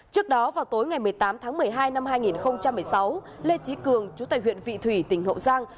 trước đó vào tối ngày một mươi tám tháng một mươi hai năm hai nghìn một mươi sáu lê trí cường chú tại huyện vị thủy tỉnh hậu giang